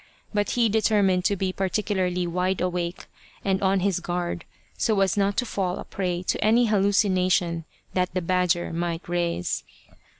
But he determined to be particularly wide awake and on his guard, so as not to fall a prey to any hallucination that the badger might raise.